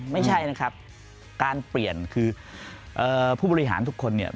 ไม่ใช่นะครับการเปลี่ยนคือผู้บริหารทุกคนเนี่ย